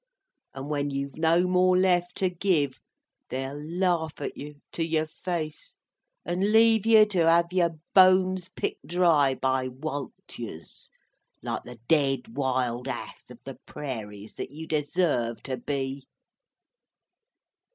And when you've no more left to give, they'll laugh at you to your face, and leave you to have your bones picked dry by Wulturs, like the dead Wild Ass of the Prairies that you deserve to be!"